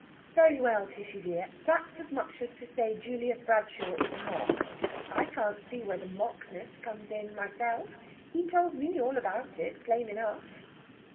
"Very well, Tishy dear. That's as much as to say Julius Bradshaw is mock. I can't see where the mockness comes in myself. He told me all about it, plain enough."